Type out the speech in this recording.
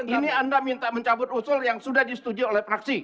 ini anda minta mencabut usul yang sudah disetujui oleh praksi